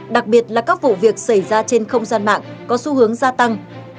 đặc biệt là các vụ việc xảy ra trên không gian mạng có xu hướng gia tăng